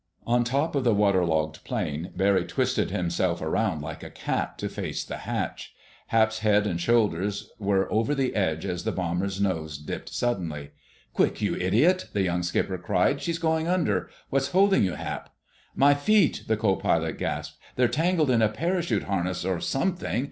On top of the waterlogged plane, Barry twisted himself around like a cat, to face the hatch. Hap's head and shoulders were over the edge as the bomber's nose dipped suddenly. "Quick, you idiot!" the young skipper cried. "She's going under! What's holding you, Hap!" "My feet!" the co pilot gasped. "They're tangled in a parachute harness or something.